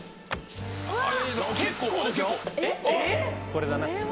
これだな。